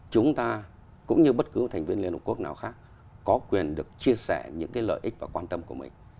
chúng ta cũng như bất cứ thành viên liên hợp quốc nào khác có quyền được chia sẻ những cái lợi ích và quan tâm của mình